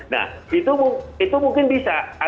nah itu mungkin bisa